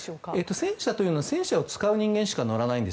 戦車というのは戦車を使う人間しか乗らないんです。